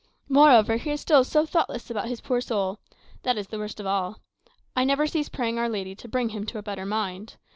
Moreover, he is still so thoughtless about his poor soul. That is the worst of all. I never cease praying Our Lady to bring him to a better mind.